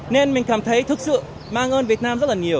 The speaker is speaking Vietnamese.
nên mình cảm thấy thực sự mang ơn việt nam rất là nhiều